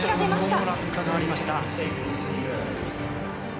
ここも落下がありました。